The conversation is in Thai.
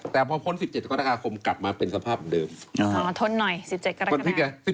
แต่พอพ้น๑๗กลกฎาก็คงกลับมาเป็นสภาพเหมือนเดิม